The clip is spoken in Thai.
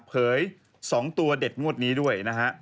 เผย๒ตัวเด็ดงวดนี้ด้วยนะฮะ